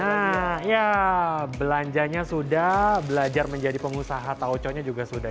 nah ya belanjanya sudah belajar menjadi pengusaha tauconya juga sudah